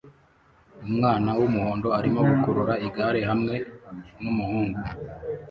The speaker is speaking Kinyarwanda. Umwana wumuhondo arimo gukurura igare hamwe numuhungu